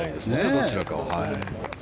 どちらかを。